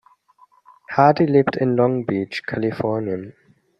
Hardy lebt in Long Beach, Kalifornien.